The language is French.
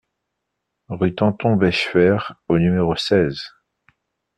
Rue Tanton-Bechefer au numéro seize